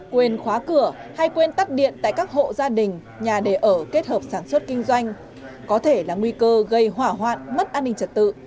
quên khóa cửa hay quên tắt điện tại các hộ gia đình nhà đề ở kết hợp sản xuất kinh doanh có thể là nguy cơ gây hỏa hoạn mất an ninh trật tự